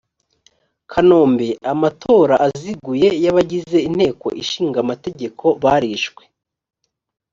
kanombe amatora aziguye y abagize inteko ishinga amategeko barishwe